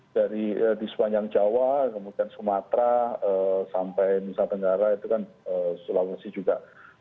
dari di sepanjang jawa kemudian sumatera sampai nusa tenggara itu kan sulawesi juga